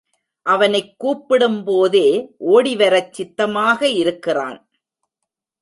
அவனைக் கூப்பிடும் போதே ஓடிவரச் சித்தமாக இருக்கிறான்.